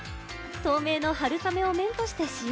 透明の春雨を麺として使用。